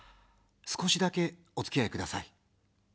少しだけ、おつきあいください。